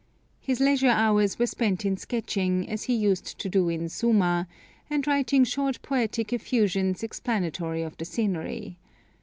His leisure hours were spent in sketching, as he used to do in Suma, and writing short poetic effusions explanatory of the scenery.